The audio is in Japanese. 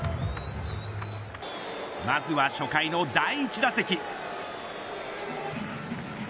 まずは初回の第１打席。